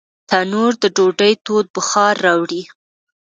تنور د ډوډۍ تود بخار راوړي